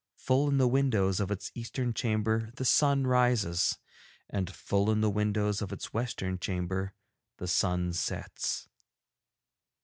Full in the windows of its eastern chamber the sun rises, and full in the windows of its western chamber the sun sets.